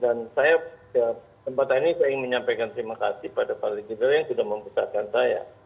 dan saya sempat ini ingin menyampaikan terima kasih kepada pak legider yang sudah membesarkan saya